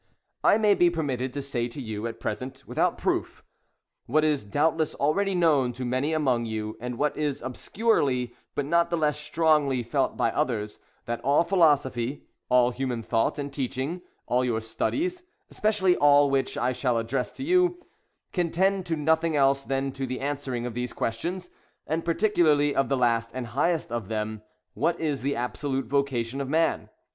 I may be permitted to Bay to you at present without proof, what is doubtless already known to many among you, and what is obscurely, but not the loss strongly, felt by others, that all philosophy, — all human thought and teach ing, — all your studies, — especially all which I shall address to you, — can tend to nothing else than to the answering of these questions, and particularly of the last and highest of them, — What is the absolute vocation of Man?